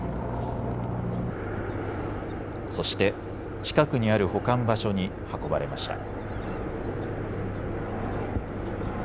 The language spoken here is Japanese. そして近くにある保管場所に運ばれました。